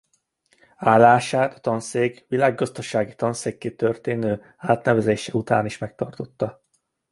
Állását a tanszék világgazdasági tanszékké történő átnevezése után is megtartotta.